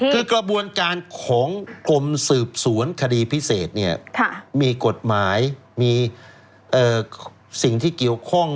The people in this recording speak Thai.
คือกระบวนการของกรมสืบสวนคดีพิเศษเนี่ยมีกฎหมายมีสิ่งที่เกี่ยวข้อง